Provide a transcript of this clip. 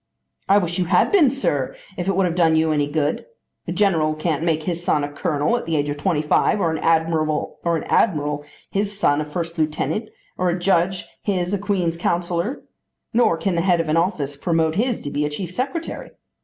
"I wish you had been, sir, if it would have done you any good. A general can't make his son a colonel at the age of twenty five, or an admiral his son a first lieutenant, or a judge his a Queen's Counsellor, nor can the head of an office promote his to be a chief secretary.